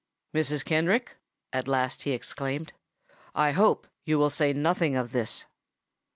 "Mrs. Kenrick," at length he exclaimed, "I hope you will say nothing of this."